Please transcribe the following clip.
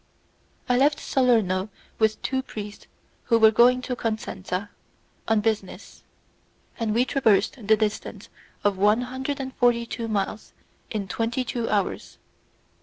I left Salerno with two priests who were going to Cosenza on business, and we traversed the distance of one hundred and forty two miles in twenty two hours.